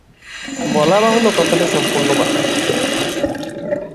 বলা বাহুল্য, কথাটা সম্পূর্ণ বানানো।